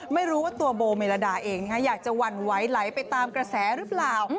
ไม่รู้ว่าตัวโบเมลดาเองอยากจะหวั่นไหวไหลไปตามกระแสหรือเปล่า